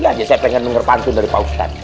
saya pengen denger pantun dari pak ustadz